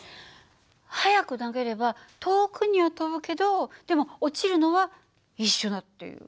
速く投げれば遠くには飛ぶけどでも落ちるのは一緒だっていう。